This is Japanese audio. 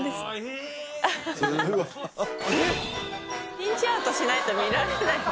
ピンチアウトしないと見られない。